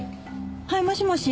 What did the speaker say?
はいもしもし。